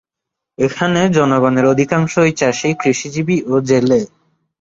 এখানে জনগণের অধিকাংশই চাষী, কৃষিজীবী ও জেলে।